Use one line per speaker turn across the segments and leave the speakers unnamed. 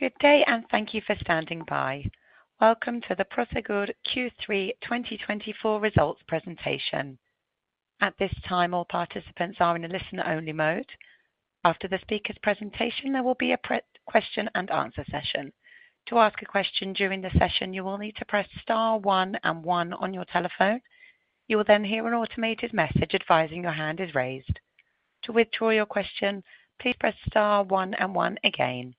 Good day, and thank you for standing by. Welcome to the Prosegur Q3 2024 Results Presentation. At this time, all participants are in a listener-only mode. After the speaker's presentation, there will be a question-and-answer session. To ask a question during the session, you will need to press star one and one on your telephone. You will then hear an automated message advising your hand is raised. To withdraw your question, please press star one and one again.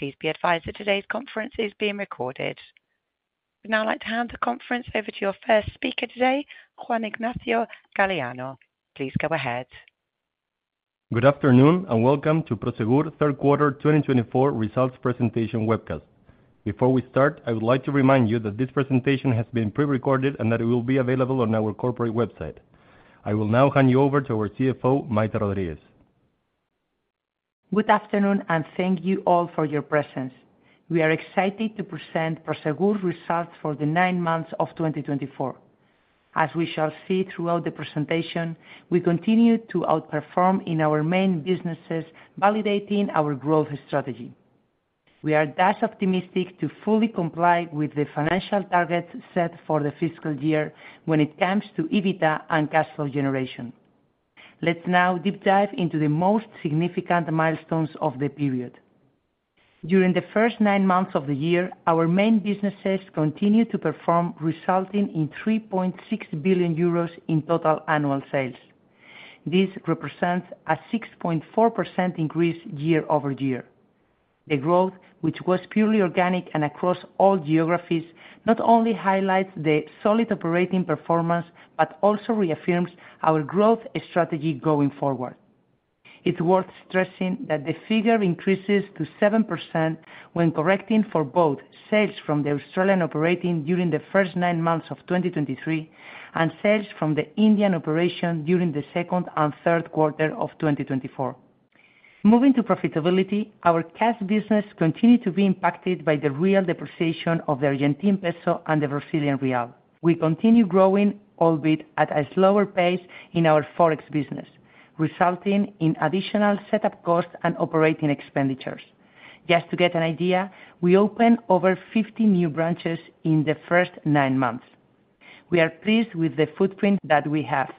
Please be advised that today's conference is being recorded. We'd now like to hand the conference over to your first speaker today, Juan Ignacio Galleano. Please go ahead.
Good afternoon, and welcome to Prosegur Q3 2024 Results Presentation webcast. Before we start, I would like to remind you that this presentation has been pre-recorded and that it will be available on our corporate website. I will now hand you over to our CFO, Maite Rodríguez.
Good afternoon, and thank you all for your presence. We are excited to present Prosegur results for the nine months of 2024. As we shall see throughout the presentation, we continue to outperform in our main businesses, validating our growth strategy. We are thus optimistic to fully comply with the financial targets set for the fiscal year when it comes to EBITDA and cash flow generation. Let's now deep dive into the most significant milestones of the period. During the first nine months of the year, our main businesses continued to perform, resulting in 3.6 billion euros in total annual sales. This represents a 6.4% increase year-over-year. The growth, which was purely organic and across all geographies, not only highlights the solid operating performance but also reaffirms our growth strategy going forward. It's worth stressing that the figure increases to 7% when correcting for both sales from the Australian operation during the first nine months of 2023 and sales from the Indian operation during the second and third quarter of 2024. Moving to profitability, our Cash business continues to be impacted by the real depreciation of the Argentine peso and the Brazilian real. We continue growing, albeit at a slower pace, in our forex business, resulting in additional setup costs and operating expenditures. Just to get an idea, we opened over 50 new branches in the first nine months. We are pleased with the footprint that we have,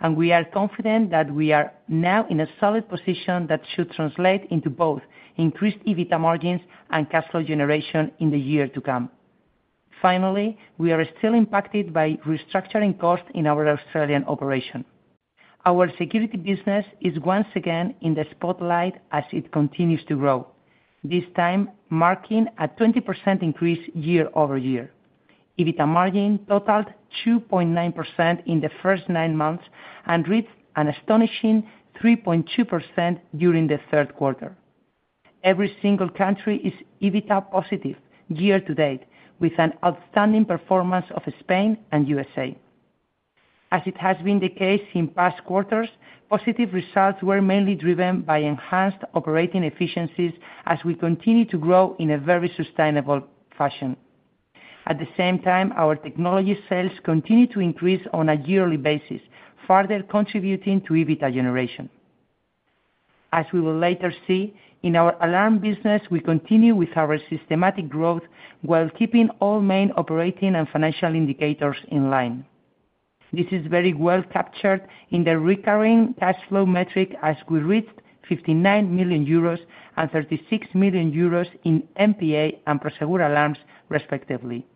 and we are confident that we are now in a solid position that should translate into both increased EBITDA margins and cash flow generation in the year to come. Finally, we are still impacted by restructuring costs in our Australian operation. Our Security business is once again in the spotlight as it continues to grow, this time marking a 20% increase year-over-year. EBITDA margin totaled 2.9% in the first nine months and reached an astonishing 3.2% during the third quarter. Every single country is EBITDA positive year to date, with an outstanding performance of Spain and the U.S.A.. As it has been the case in past quarters, positive results were mainly driven by enhanced operating efficiencies as we continue to grow in a very sustainable fashion. At the same time, our technology sales continue to increase on a yearly basis, further contributing to EBITDA generation. As we will later see, in our Alarm business, we continue with our systematic growth while keeping all main operating and financial indicators in line. This is very well captured in the recurring cash flow metric as we reached 59 million euros and 36 million euros in MPA and Prosegur Alarms, respectively.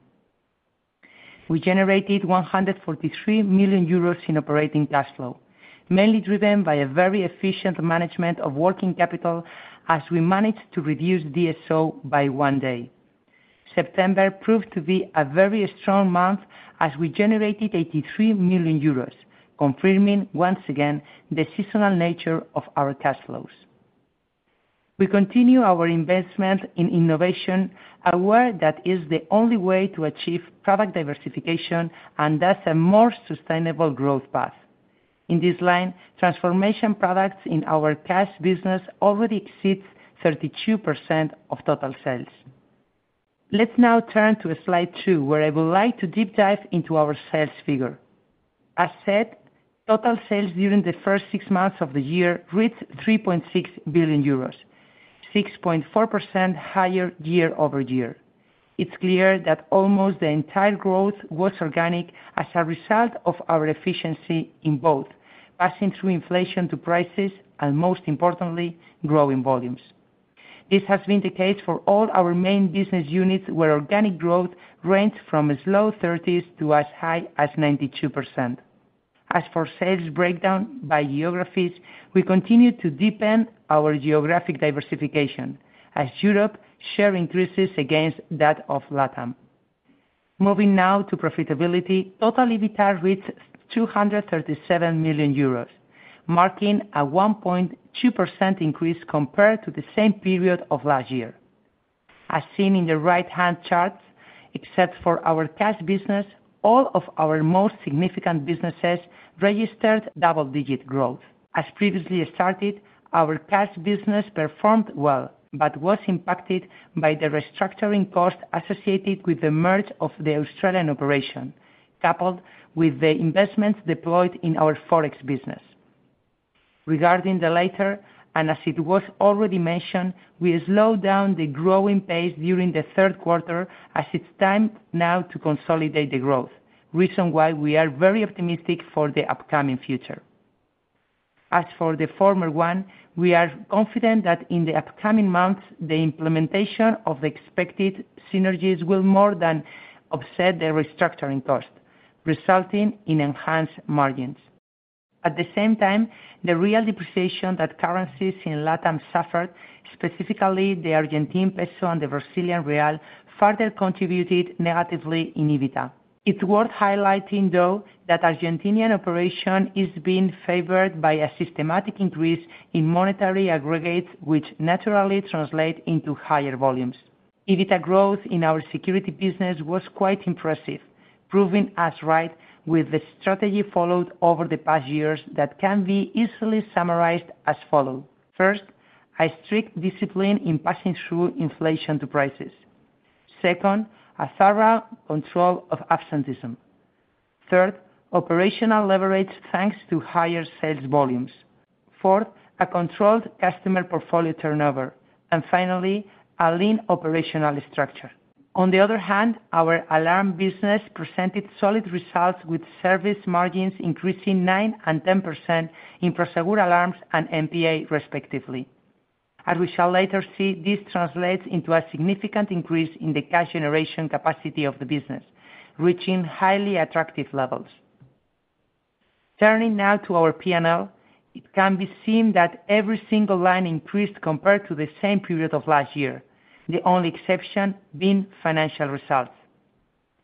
We generated 143 million euros in operating cash flow, mainly driven by a very efficient management of working capital as we managed to reduce DSO by one day. September proved to be a very strong month as we generated 83 million euros, confirming once again the seasonal nature of our cash flows. We continue our investment in innovation, aware that it is the only way to achieve product diversification and thus a more sustainable growth path. In this line, transformation products in our Cash business already exceed 32% of total sales. Let's now turn to slide two, where I would like to deep dive into our sales figure. As said, total sales during the first six months of the year reached 3.6 billion euros, 6.4% higher year-over-year. It's clear that almost the entire growth was organic as a result of our efficiency in both passing through inflation to prices and, most importantly, growing volumes. This has been the case for all our main business units, where organic growth ranged from as low as 30% to as high as 92%. As for sales breakdown by geographies, we continue to deepen our geographic diversification as Europe share increases against that of LATAM. Moving now to profitability, total EBITDA reached 237 million euros, marking a 1.2% increase compared to the same period of last year. As seen in the right-hand chart, except for our Cash business, all of our most significant businesses registered double-digit growth. As previously stated, our Cash business performed well but was impacted by the restructuring costs associated with the merger of the Australian operation, coupled with the investments deployed in our forex business. Regarding the latter, and as it was already mentioned, we slowed down the growing pace during the third quarter as it's time now to consolidate the growth, reason why we are very optimistic for the upcoming future. As for the former one, we are confident that in the upcoming months, the implementation of the expected synergies will more than offset the restructuring costs, resulting in enhanced margins. At the same time, the real depreciation that currencies in LATAM suffered, specifically the Argentine peso and the Brazilian real, further contributed negatively in EBITDA. It's worth highlighting, though, that the Argentinian operation is being favored by a systematic increase in monetary aggregates, which naturally translates into higher volumes. EBITDA growth in our Security business was quite impressive, proving us right with the strategy followed over the past years that can be easily summarized as follows: first, a strict discipline in passing through inflation to prices; second, a thorough control of absenteeism; third, operational leverage thanks to higher sales volumes; fourth, a controlled customer portfolio turnover; and finally, a lean operational structure. On the other hand, our Alarm business presented solid results, with service margins increasing 9% and 10% in Prosegur Alarms and MPA, respectively. As we shall later see, this translates into a significant increase in the cash generation capacity of the business, reaching highly attractive levels. Turning now to our P&L, it can be seen that every single line increased compared to the same period of last year, the only exception being financial results.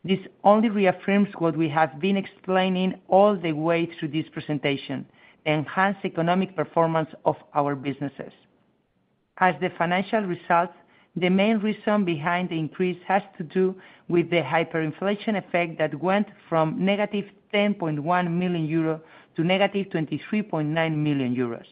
This only reaffirms what we have been explaining all the way through this presentation: the enhanced economic performance of our businesses. As the financial results, the main reason behind the increase has to do with the hyperinflation effect that went from -10.1 million euros to -23.9 million euros.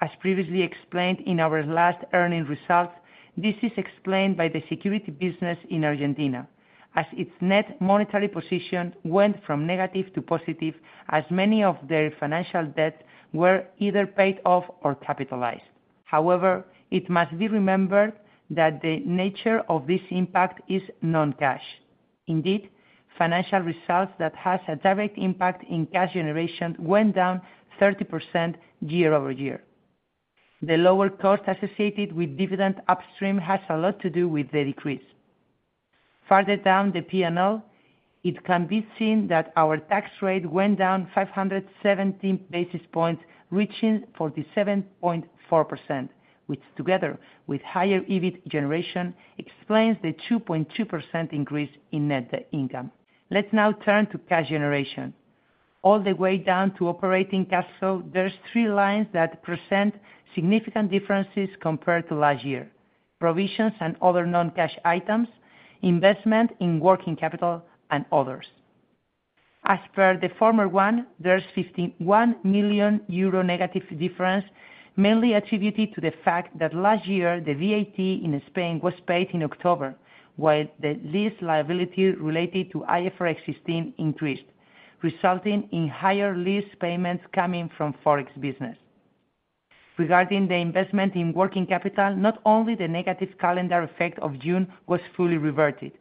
As previously explained in our last earnings results, this is explained by the Security business in Argentina, as its net monetary position went from negative to positive as many of their financial debts were either paid off or capitalized. However, it must be remembered that the nature of this impact is non-cash. Indeed, financial results that have a direct impact in cash generation went down 30% year-over-year. The lower cost associated with dividend upstream has a lot to do with the decrease. Further down the P&L, it can be seen that our tax rate went down 517 basis points, reaching 47.4%, which, together with higher EBIT generation, explains the 2.2% increase in net income. Let's now turn to cash generation. All the way down to operating cash flow, there are three lines that present significant differences compared to last year: provisions and other non-cash items, investment in working capital, and others. As per the former one, there is a 51 million euro negative difference, mainly attributed to the fact that last year the VAT in Spain was paid in October, while the lease liability related to IFRS 16 increased, resulting in higher lease payments coming from forex business. Regarding the investment in working capital, not only was the negative calendar effect of June fully reverted,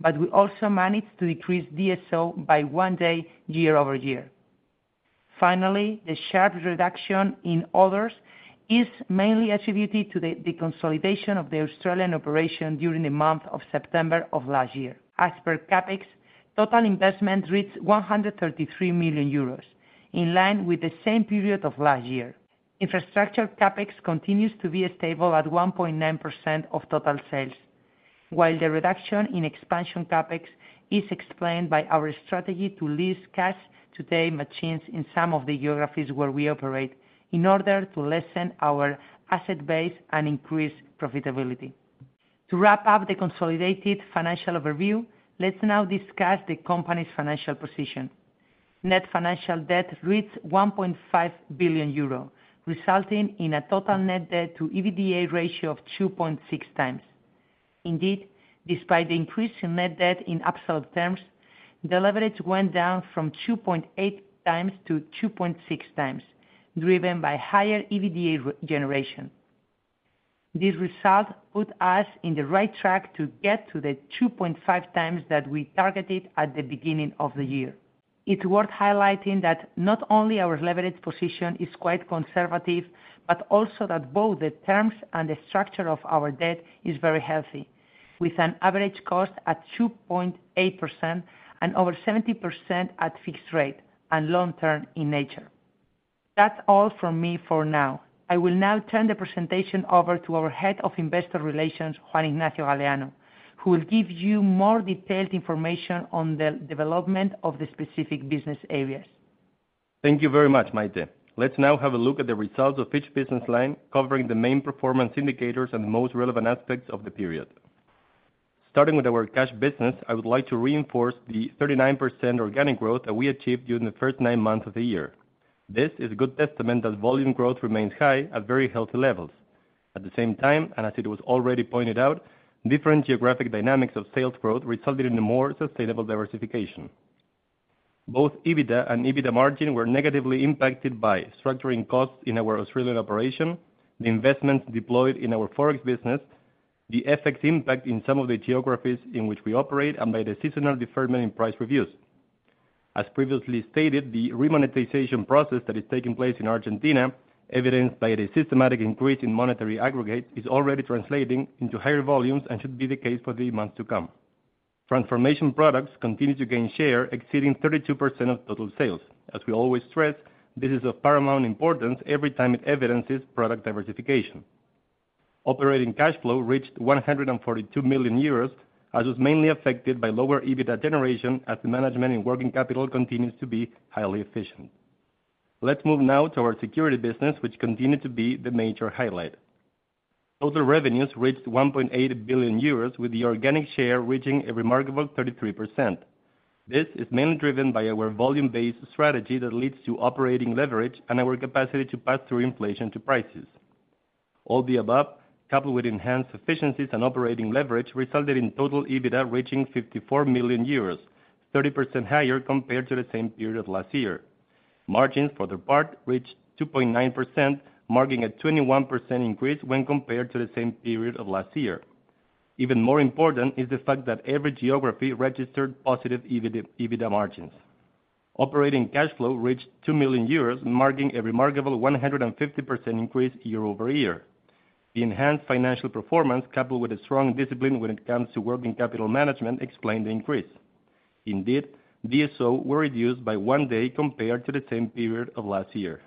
but we also managed to decrease DSO by one day year-over-year. Finally, the sharp reduction in others is mainly attributed to the consolidation of the Australian operation during the month of September of last year. As per CapEx, total investment reached 133 million euros, in line with the same period of last year. Infrastructure CapEx continues to be stable at 1.9% of total sales, while the reduction in expansion CapEx is explained by our strategy to lease Cash Today machines in some of the geographies where we operate in order to lessen our asset base and increase profitability. To wrap up the consolidated financial overview, let's now discuss the company's financial position. Net financial debt reached 1.5 billion euro, resulting in a total net debt-to-EBITDA ratio of 2.6x. Indeed, despite the increase in net debt in absolute terms, the leverage went down from 2.8x to 2.6x, driven by higher EBITDA generation. This result put us in the right track to get to the 2.5x that we targeted at the beginning of the year. It's worth highlighting that not only is our leverage position quite conservative, but also that both the terms and the structure of our debt are very healthy, with an average cost at 2.8% and over 70% at fixed rate and long-term in nature. That's all from me for now. I will now turn the presentation over to our Head of Investor Relations, Juan Ignacio Galleano, who will give you more detailed information on the development of the specific business areas.
Thank you very much, Maite. Let's now have a look at the results of each business line, covering the main performance indicators and the most relevant aspects of the period. Starting with our Cash business, I would like to reinforce the 39% organic growth that we achieved during the first nine months of the year. This is a good testament that volume growth remains high at very healthy levels. At the same time, and as it was already pointed out, different geographic dynamics of sales growth resulted in a more sustainable diversification. Both EBITDA and EBITDA margin were negatively impacted by restructuring costs in our Australian operation, the investments deployed in our forex business, the FX impact in some of the geographies in which we operate, and by the seasonal deferment in price reviews. As previously stated, the remonetization process that is taking place in Argentina, evidenced by the systematic increase in monetary aggregates, is already translating into higher volumes and should be the case for the months to come. Transformation products continue to gain share, exceeding 32% of total sales. As we always stress, this is of paramount importance every time it evidences product diversification. Operating cash flow reached 142 million euros, as it was mainly affected by lower EBITDA generation, as the management in working capital continues to be highly efficient. Let's move now to our Security business, which continued to be the major highlight. Total revenues reached 1.8 billion euros, with the organic share reaching a remarkable 33%. This is mainly driven by our volume-based strategy that leads to operating leverage and our capacity to pass through inflation to prices. All the above, coupled with enhanced efficiencies and operating leverage, resulted in total EBITDA reaching 54 million euros, 30% higher compared to the same period of last year. Margins, for their part, reached 2.9%, marking a 21% increase when compared to the same period of last year. Even more important is the fact that every geography registered positive EBITDA margins. Operating cash flow reached 2 million euros, marking a remarkable 150% increase year-over-year. The enhanced financial performance, coupled with a strong discipline when it comes to working capital management, explained the increase. Indeed, DSO were reduced by one day compared to the same period of last year.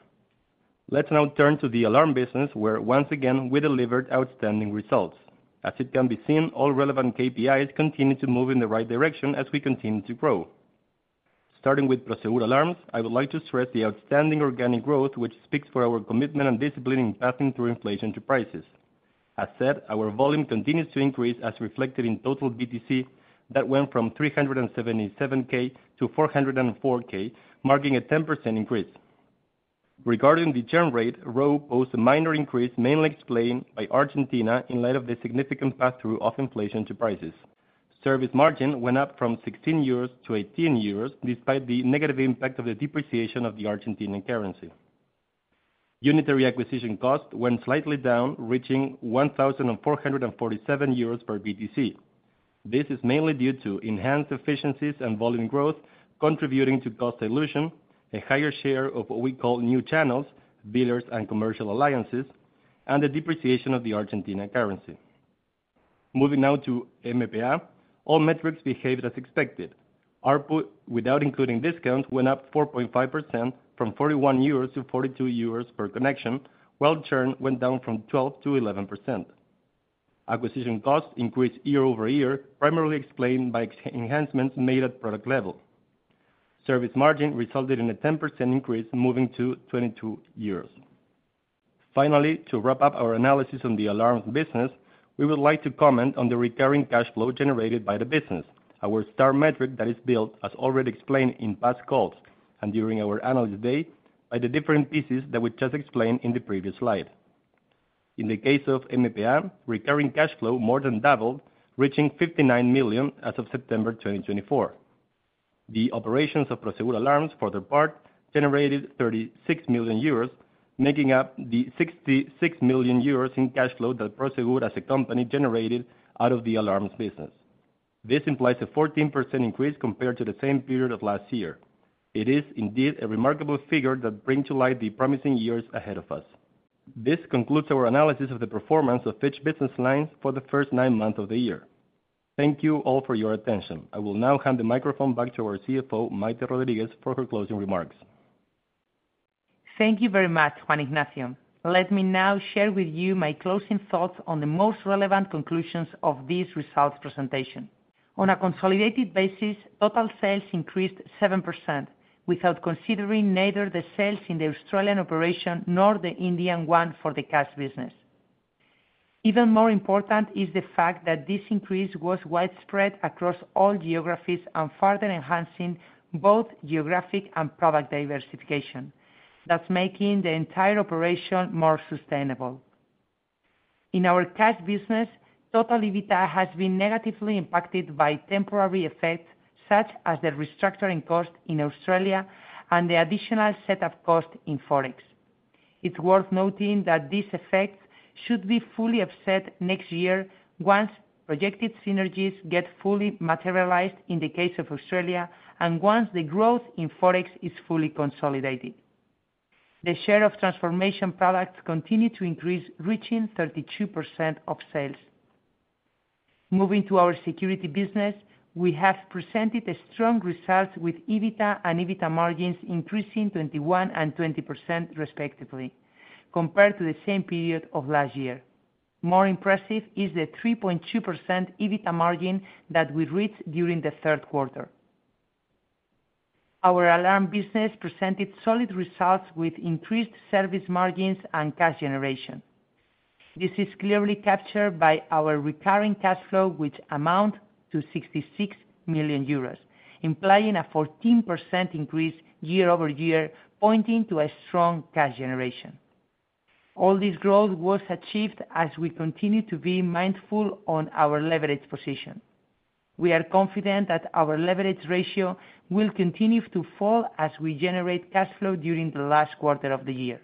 Let's now turn to the Alarm business, where, once again, we delivered outstanding results. As it can be seen, all relevant KPIs continue to move in the right direction as we continue to grow. Starting with Prosegur Alarms, I would like to stress the outstanding organic growth, which speaks for our commitment and discipline in passing through inflation to prices. As said, our volume continues to increase, as reflected in total BTC that went from 377,000 to 404,000, marking a 10% increase. Regarding the churn rate, RoW boasts a minor increase, mainly explained by Argentina in light of the significant pass-through of inflation to prices. Service margin went up from 16 euros to 18 euros, despite the negative impact of the depreciation of the Argentine currency. Unitary acquisition costs went slightly down, reaching 1,447 euros per BTC. This is mainly due to enhanced efficiencies and volume growth contributing to cost dilution, a higher share of what we call new channels, dealers, and commercial alliances, and the depreciation of the Argentine currency. Moving now to MPA, all metrics behaved as expected. Our ARPU, without including discounts, went up 4.5% from 41 euros to 42 euros per connection, while churn went down from 12% to 11%. Acquisition costs increased year-over-year, primarily explained by enhancements made at product level. Service margin resulted in a 10% increase, moving to 22. Finally, to wrap up our analysis on the Alarms business, we would like to comment on the recurring cash flow generated by the business, our star metric that is built, as already explained in past calls and during our analyst day, by the different pieces that we just explained in the previous slide. In the case of MPA, recurring cash flow more than doubled, reaching 59 million as of September 2024. The operations of Prosegur Alarms, for their part, generated 36 million euros, making up the 66 million euros in cash flow that Prosegur, as a company, generated out of the Alarms business. This implies a 14% increase compared to the same period of last year. It is indeed a remarkable figure that brings to light the promising years ahead of us. This concludes our analysis of the performance of each business line for the first nine months of the year. Thank you all for your attention. I will now hand the microphone back to our CFO, Maite Rodríguez, for her closing remarks.
Thank you very much, Juan Ignacio. Let me now share with you my closing thoughts on the most relevant conclusions of this results presentation. On a consolidated basis, total sales increased 7%, without considering neither the sales in the Australian operation nor the Indian one for the Cash business. Even more important is the fact that this increase was widespread across all geographies and further enhancing both geographic and product diversification. That's making the entire operation more sustainable. In our Cash business, total EBITDA has been negatively impacted by temporary effects such as the restructuring cost in Australia and the additional setup cost in forex. It's worth noting that these effects should be fully offset next year once projected synergies get fully materialized in the case of Australia and once the growth in forex is fully consolidated. The share of transformation products continued to increase, reaching 32% of sales. Moving to our Security business, we have presented strong results with EBITDA and EBITDA margins increasing 21% and 20%, respectively, compared to the same period of last year. More impressive is the 3.2% EBITDA margin that we reached during the third quarter. Our Alarm business presented solid results with increased service margins and cash generation. This is clearly captured by our recurring cash flow, which amounts to 66 million euros, implying a 14% increase year-over-year, pointing to a strong cash generation. All this growth was achieved as we continue to be mindful of our leverage position. We are confident that our leverage ratio will continue to fall as we generate cash flow during the last quarter of the year.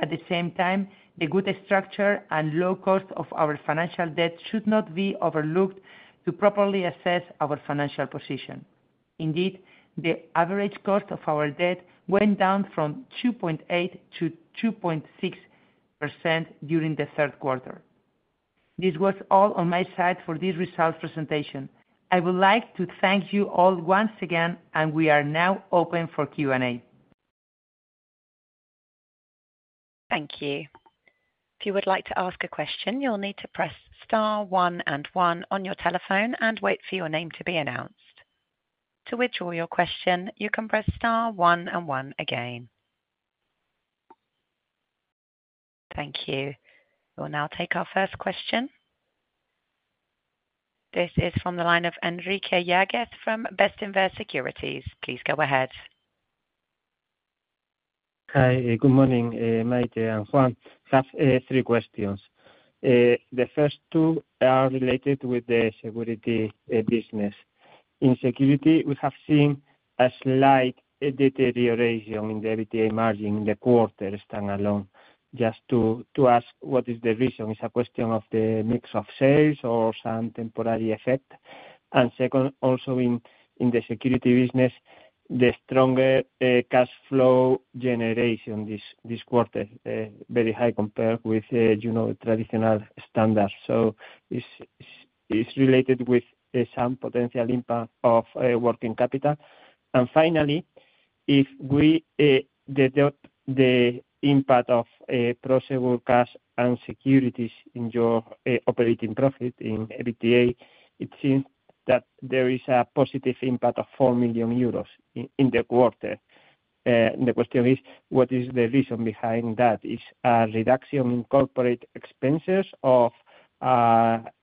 At the same time, the good structure and low cost of our financial debt should not be overlooked to properly assess our financial position. Indeed, the average cost of our debt went down from 2.8% to 2.6% during the third quarter. This was all on my side for this results presentation. I would like to thank you all once again, and we are now open for Q&A.
Thank you. If you would like to ask a question, you'll need to press star, one, and one on your telephone and wait for your name to be announced. To withdraw your question, you can press star, one, and one again. Thank you. We'll now take our first question. This is from the line of Enrique Yáguez from Bestinver Securities. Please go ahead.
Hi, good morning, Maite and Juan. I have three questions. The first two are related to the Security business. In security, we have seen a slight deterioration in the EBITDA margin in the quarter standalone. Just to ask, what is the reason? Is it a question of the mix of sales or some temporary effect? And second, also in the Security business, the stronger cash flow generation this quarter is very high compared with traditional standards. So it's related with some potential impact of working capital. And finally, if we deduct the impact of Prosegur Cash and Security in your operating profit in EBITDA, it seems that there is a positive impact of 4 million euros in the quarter. The question is, what is the reason behind that? Is it a reduction in corporate expenses or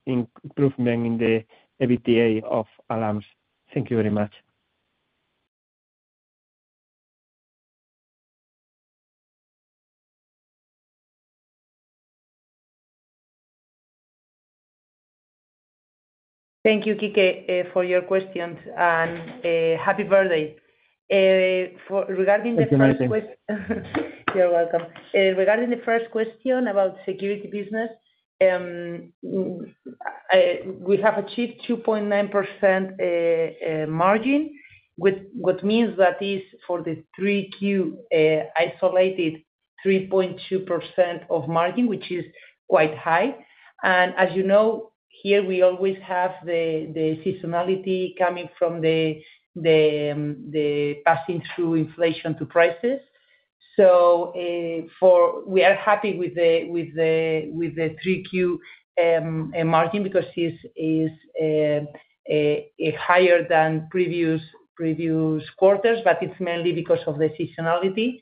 improvement in the EBITDA of Alarms? Thank you very much.
Thank you, Enrique, for your questions, and happy birthday. Regarding the first question.
Thank you, Maite.
You're welcome. Regarding the first question about the Security business, we have achieved 2.9% margin, which means that is for the 3Q isolated 3.2% of margin, which is quite high. And as you know, here we always have the seasonality coming from the passing through inflation to prices. So we are happy with the 3Q margin because it is higher than previous quarters, but it's mainly because of the seasonality.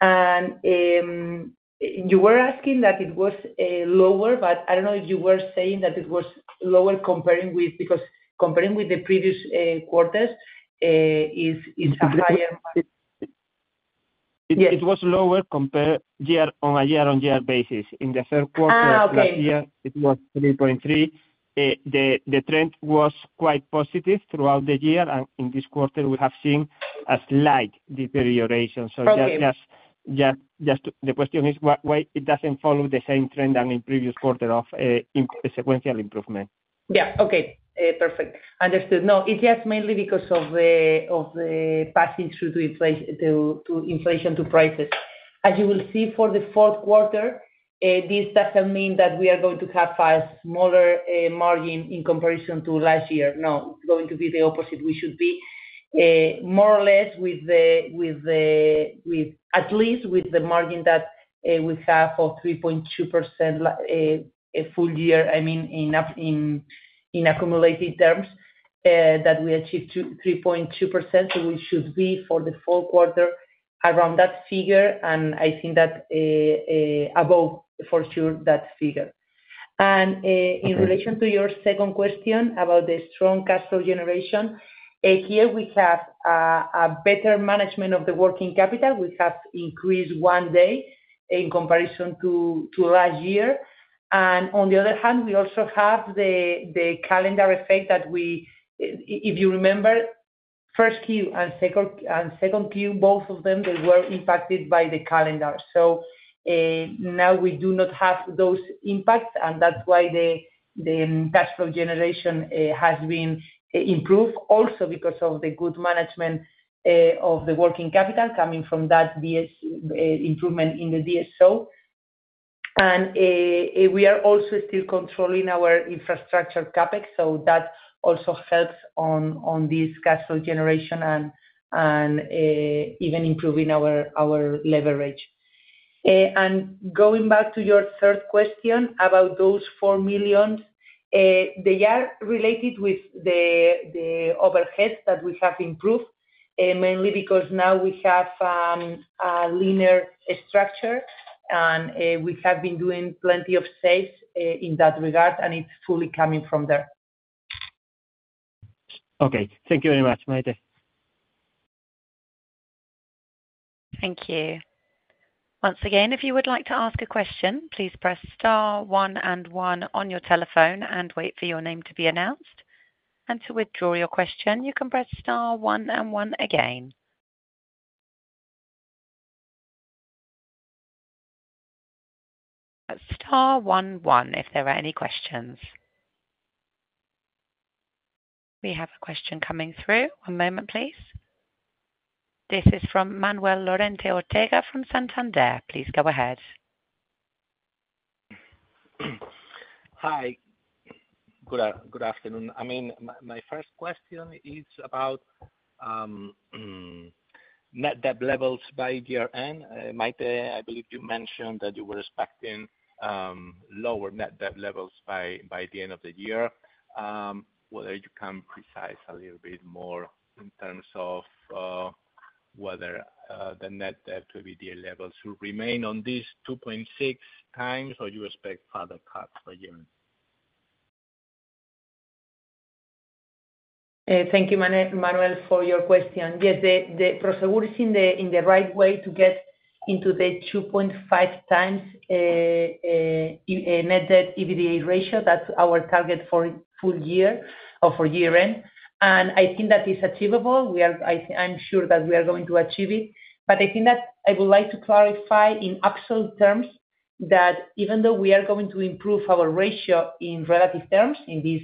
And you were asking that it was lower, but I don't know if you were saying that it was lower comparing with because comparing with the previous quarters is higher.
It was lower on a year-on-year basis. In the third quarter of last year, it was 3.3%. The trend was quite positive throughout the year, and in this quarter, we have seen a slight deterioration. So just the question is why it doesn't follow the same trend as in previous quarters of sequential improvement.
Yeah, okay. Perfect. Understood. No, it's just mainly because of the passing through inflation to prices. As you will see, for the fourth quarter, this doesn't mean that we are going to have a smaller margin in comparison to last year. No, it's going to be the opposite. We should be more or less with, at least with the margin that we have of 3.2% full year, I mean, in accumulated terms, that we achieved 3.2%. So we should be for the fourth quarter around that figure, and I think that above, for sure, that figure. In relation to your second question about the strong cash flow generation, here we have a better management of the working capital. We have increased one day in comparison to last year. On the other hand, we also have the calendar effect that we, if you remember, 1Q and 2Q, both of them, they were impacted by the calendar. So now we do not have those impacts, and that's why the cash flow generation has been improved, also because of the good management of the working capital coming from that improvement in the DSO. We are also still controlling our infrastructure CapEx, so that also helps on this cash flow generation and even improving our leverage. And going back to your third question about those four million, they are related with the overhead that we have improved, mainly because now we have a leaner structure, and we have been doing plenty of saves in that regard, and it's fully coming from there.
Okay. Thank you very much, Maite.
Thank you. Once again, if you would like to ask a question, please press star, one, and one on your telephone and wait for your name to be announced. And to withdraw your question, you can press star, one, and one again. Star, one, one if there are any questions. We have a question coming through. One moment, please. This is from Manuel Lorente Ortega from Santander. Please go ahead.
Hi. Good afternoon. I mean, my first question is about net debt levels by year-end. Maite, I believe you mentioned that you were expecting lower net debt levels by the end of the year. Could you be more precise a little bit more in terms of whether the net debt to EBITDA levels will remain on this 2.6x, or do you expect further cuts by year-end?
Thank you, Manuel, for your question. Yes, Prosegur is in the right way to get into the 2.5x net debt EBITDA ratio. That's our target for full year or for year-end. And I think that is achievable. I'm sure that we are going to achieve it. But I think that I would like to clarify in absolute terms that even though we are going to improve our ratio in relative terms, in this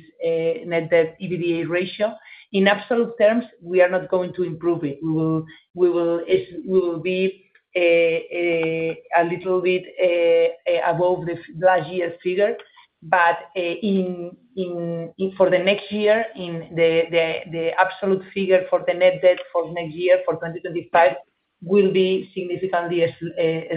net debt EBITDA ratio, in absolute terms, we are not going to improve it. We will be a little bit above the last year's figure. But for the next year, the absolute figure for the net debt for next year, for 2025, will be significantly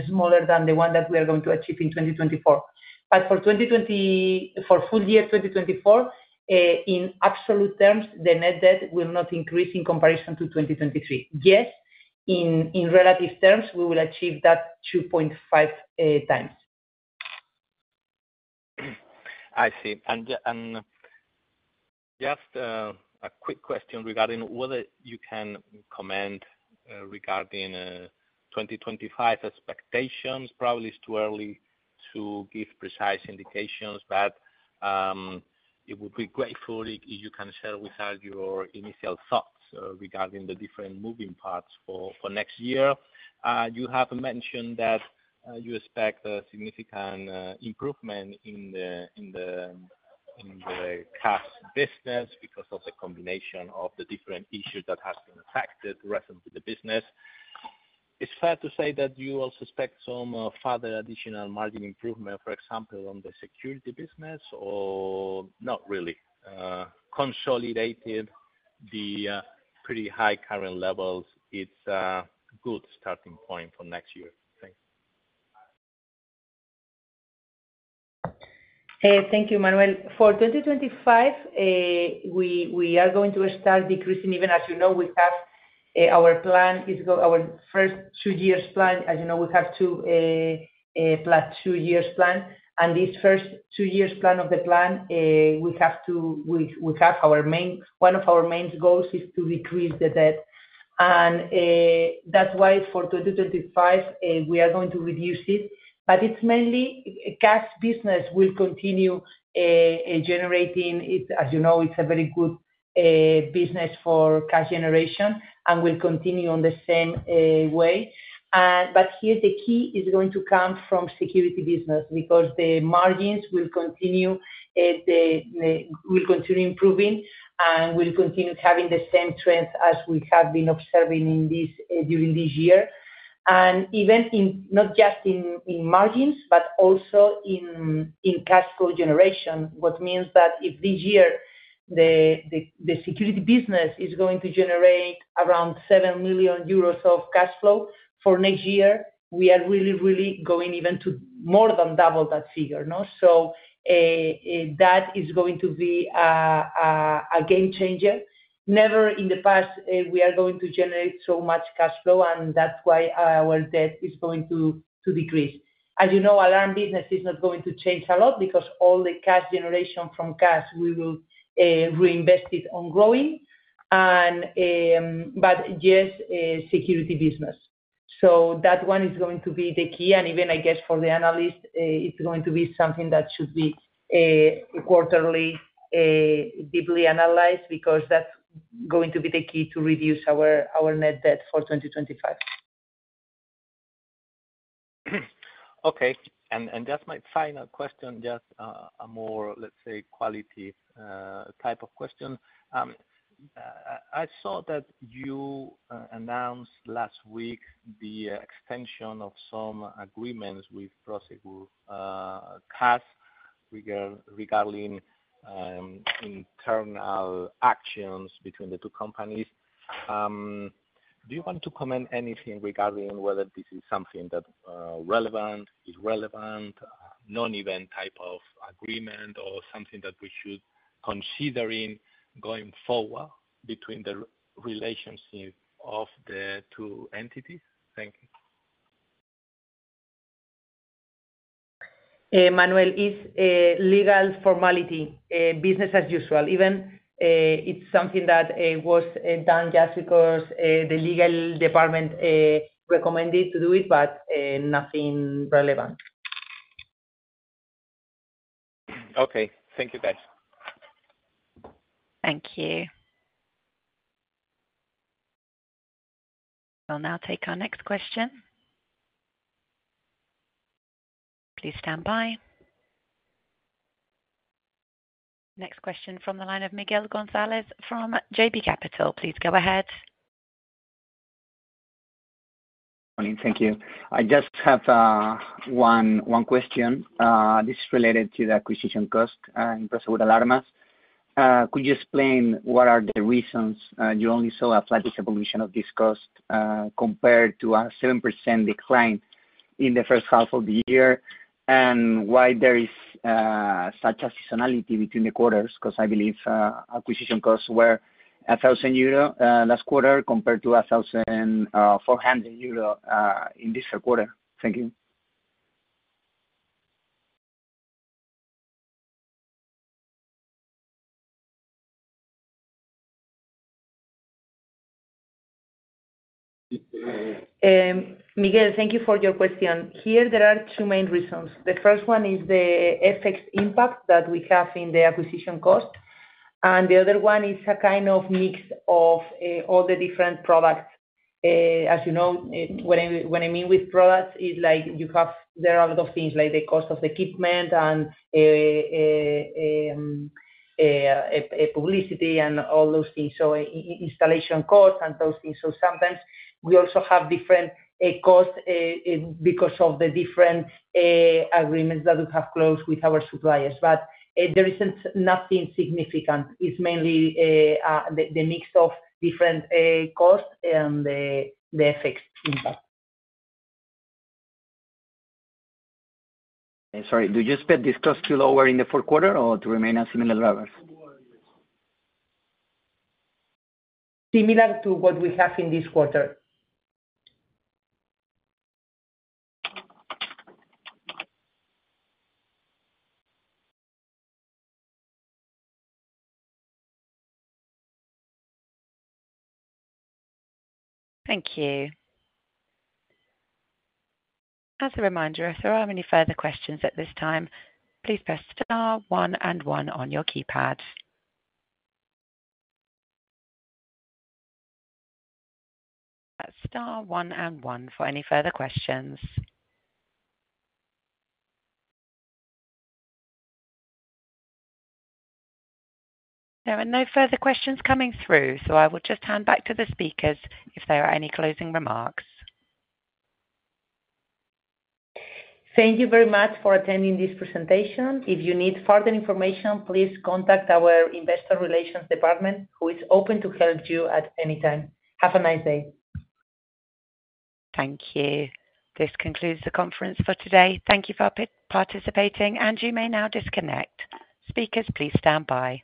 smaller than the one that we are going to achieve in 2024. But for full year 2024, in absolute terms, the net debt will not increase in comparison to 2023. Yes, in relative terms, we will achieve that 2.5x.
I see. And just a quick question regarding whether you can comment regarding 2025 expectations. Probably it's too early to give precise indications, but it would be great if you can share with us your initial thoughts regarding the different moving parts for next year. You have mentioned that you expect a significant improvement in the Cash business because of the combination of the different issues that have been affected recently in the business. It's fair to say that you also expect some further additional margin improvement, for example, on the Security Business, or not really? Consolidated the pretty high current levels, it's a good starting point for next year. Thanks.
Thank you, Manuel. For 2025, we are going to start decreasing even, as you know, we have our plan, our first two years plan. As you know, we have two-plus years plan. And this first two years plan of the plan, we have our main one of our main goals is to decrease the debt. And that's why for 2025, we are going to reduce it. But it's mainly Cash Business will continue generating. As you know, it's a very good business for cash generation and will continue in the same way. But here, the key is going to come from Security business because the margins will continue improving and will continue having the same trends as we have been observing during this year. And even not just in margins, but also in cash flow generation, which means that if this year the Security business is going to generate around 7 million euros of cash flow for next year, we are really, really going even to more than double that figure. So that is going to be a game changer. Never in the past, we are going to generate so much cash flow, and that's why our debt is going to decrease. As you know, Alarm business is not going to change a lot because all the cash generation from Cash, we will reinvest it on growing. But yes, Security business. So that one is going to be the key. And even, I guess, for the analyst, it's going to be something that should be quarterly deeply analyzed because that's going to be the key to reduce our net debt for 2025.
Okay. And just my final question, just a more, let's say, quality type of question. I saw that you announced last week the extension of some agreements with Prosegur Cash regarding internal actions between the two companies. Do you want to comment on anything regarding whether this is something that's relevant, irrelevant, non-event type of agreement, or something that we should consider going forward between the relationship of the two entities? Thank you.
Manuel, it's legal formality, business as usual. Even it's something that was done just because the legal department recommended to do it, but nothing relevant.
Okay. Thank you, guys.
Thank you. We'll now take our next question. Please stand by. Next question from the line of Miguel González from JB Capital. Please go ahead.
Thank you. I just have one question. This is related to the acquisition cost in Prosegur Alarms. Could you explain what are the reasons you only saw a slight disappointment of this cost compared to a 7% decline in the first half of the year and why there is such a seasonality between the quarters? Because I believe acquisition costs were 1,000 euro last quarter compared to 1,400 euro in this quarter. Thank you.
Miguel, thank you for your question. Here, there are two main reasons. The first one is the effects impact that we have in the acquisition cost. And the other one is a kind of mix of all the different products. As you know, when I mean with products, it's like you have there are a lot of things like the cost of equipment and publicity and all those things. So installation costs and those things. So sometimes we also have different costs because of the different agreements that we have closed with our suppliers. But there is nothing significant. It's mainly the mix of different costs and the effects impact.
Sorry, did you expect this cost to lower in the fourth quarter or to remain at similar levels?
Similar to what we have in this quarter.
Thank you. As a reminder, if there are any further questions at this time, please press star, one, and one on your keypad. Press star, one, and one for any further questions. There are no further questions coming through, so I will just hand back to the speakers if there are any closing remarks.
Thank you very much for attending this presentation. If you need further information, please contact our investor relations department, who is open to help you at any time. Have a nice day.
Thank you. This concludes the conference for today. Thank you for participating, and you may now disconnect. Speakers, please stand by.